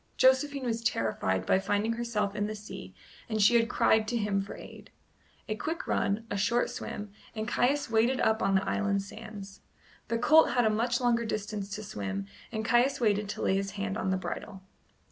Josephine was terrified by finding herself in the sea and she had cried to him for aid. A quick run, a short swim, and Caius waded up on the island sands. The colt had a much longer distance to swim, and Caius waited to lay his hand on the bridle.